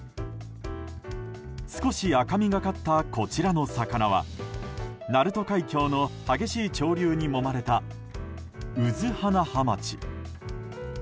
少し赤みがかったこちらの魚は鳴門海峡の激しい潮流にもまれたうず華ハマチ。